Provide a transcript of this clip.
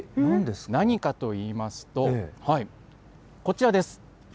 何かといいますと、こちらです。